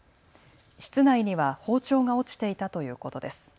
室内には包丁が落ちていたということです。